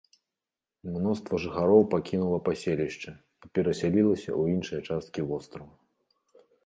Мноства жыхароў пакінула паселішча і перасялілася ў іншыя часткі вострава.